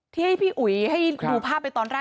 ที่ให้พี่อุ๋ยให้ดูภาพไปตอนแรก